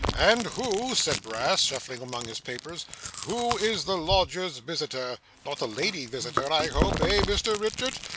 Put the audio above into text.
'And who,' said Brass, shuffling among his papers, 'who is the lodger's visitor not a lady visitor, I hope, eh, Mr Richard?